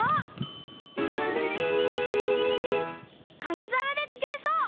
かみざらでつくれそう！